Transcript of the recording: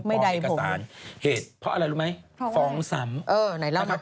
ไม่ได้ผมเหตุเพราะอะไรรู้ไหมฟองสำเออไหนล่ะนะครับ